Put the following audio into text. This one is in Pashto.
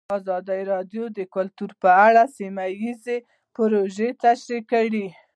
ازادي راډیو د کلتور په اړه سیمه ییزې پروژې تشریح کړې.